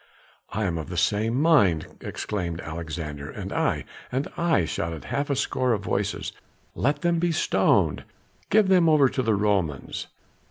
"I am of the same mind," exclaimed Alexander. "And I and I!" shouted half a score of voices. "Let them be stoned!" "Give them over to the Romans!"